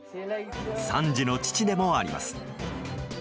３児の父でもあります。